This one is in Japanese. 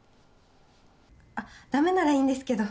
あっ駄目ならいいんですけど。